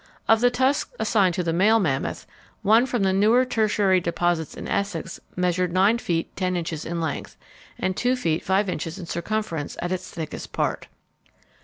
Of the tusks assigned to the male mammoth, one from the newer tertiary deposits in Essex measured nine feet ten inches in length, and two feet five inches in circumference at its thickest part."